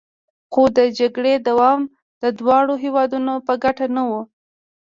خو د جګړې دوام د دواړو هیوادونو په ګټه نه و